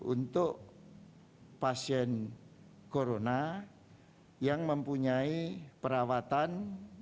untuk pasien corona yang mempunyai perawatan